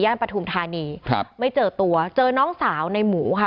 ปฐุมธานีครับไม่เจอตัวเจอน้องสาวในหมูค่ะ